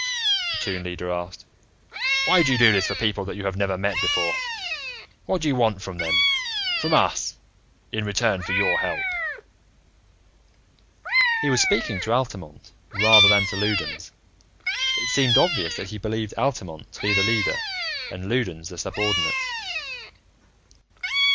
the Toon Leader asked. "Why do you do this for people that you have never met before? What do you want from them from us in return for your help?" He was speaking to Altamont, rather than to Loudons. It seemed obvious that he believed Altamont to be the leader and Loudons the subordinate.